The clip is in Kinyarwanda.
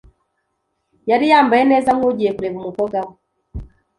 yari yambaye neza nkugiye kureba umukobwa we